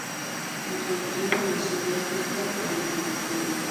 Introducida en el sur de África y en Australia.